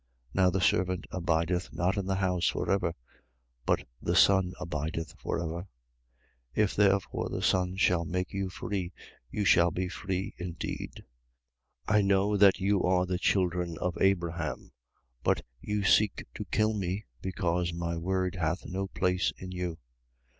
8:35. Now the servant abideth not in the house for ever: but the son abideth for ever. 8:36. If therefore the son shall make you free, you shall be free indeed. 8:37. I know that you are the children of Abraham: but you seek to kill me, because my word hath no place in you.